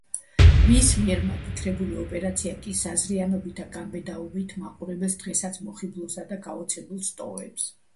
მის მიერ მოფიქრებული ოპერაცია კი, საზრიანობით და გამბედაობით მაყურებელს დღესაც მოხიბლულსა და გაოცებულს ტოვებს.